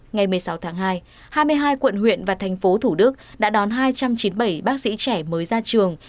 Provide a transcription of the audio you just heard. ngày một mươi sáu tháng hai hai mươi hai quận huyện và thành phố thủ đức đã đón hai trăm chín mươi bảy bác sĩ trẻ mới ra trường